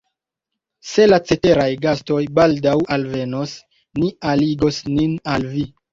Se la ceteraj gastoj baldaŭ alvenos, ni aligos nin al vi.